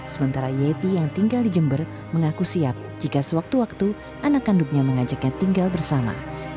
sementara yeti yang tinggal di jember mengaku siap jika sewaktu waktu anak kandungnya mengajaknya tinggal bersama